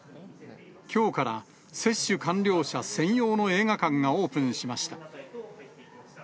きょうから接種完了者専用の映画館がオープンしました。